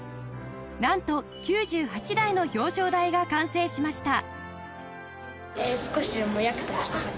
なんと９８台の表彰台が完成しました